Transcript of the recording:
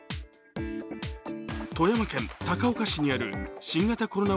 富山県高岡市にある新型コロナ